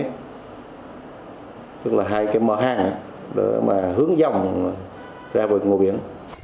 tức là hai cái mở hàng để mà hướng dòng ra vời ngôi biển